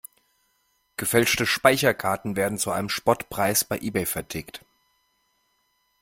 Gefälschte Speicherkarten werden zu einem Spottpreis bei Ebay vertickt.